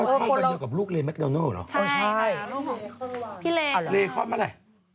คลอดคลอดกับลูกเรยแมคโดนัลเหรอใช่ค่ะลูกของพี่เรยเรยคลอดเมื่อไหร่